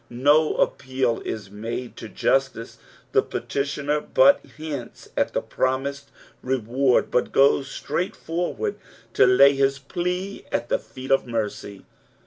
No appeal is made to justice ; the petitioner but hints at the promised reward, but goes straight forward to lay his plea at the feet of merc^.